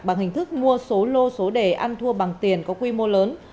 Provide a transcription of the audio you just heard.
bằng hình thức mua số lô số đề ăn thua bằng tiền có quy mô lớn